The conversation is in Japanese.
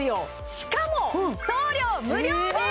しかも送料無料です